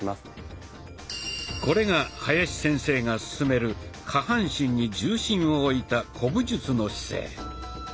これが林先生が勧める下半身に重心を置いた「古武術の姿勢」。